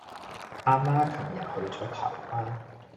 阿媽琴日去左台灣